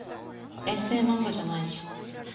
エッセイ漫画じゃないし。